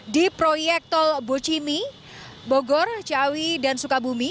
di proyek tol bocimi bogor ciawi dan sukabumi